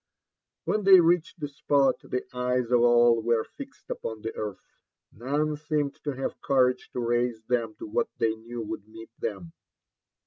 When they reached the spot, the eyes of all were fixed upon the earth. None seemed to have courage to raise them to what they knew would meet them.